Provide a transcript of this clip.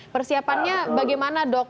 persiapannya bagaimana dok